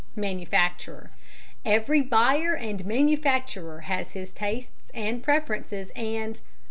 MANUFACTURER: Every buyer and manufacturer has his tastes and preferences and